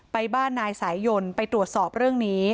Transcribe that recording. ไปบ้านนายสายยนต์ไปตรวจสอบเรื่องนี้